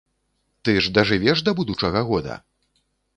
Ты ж дажывеш да будучага года?